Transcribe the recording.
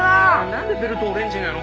なんでベルトオレンジなの？